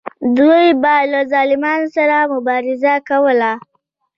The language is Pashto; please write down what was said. دوی به له ظالمانو سره مبارزه کوله.